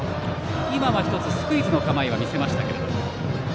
１つ、スクイズの構えを見せました。